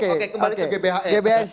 oke kembali ke gbhn